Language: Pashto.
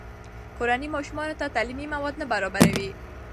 کورنۍ ماشومانو ته تعلیمي مواد نه برابروي.